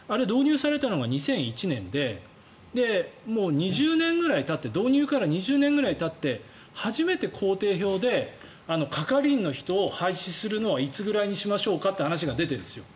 あれ、導入されたのが２００１年で導入から２０年ぐらいたって初めて行程表で係員の人を廃止するのはいつぐらいかという話が出てるんですよ。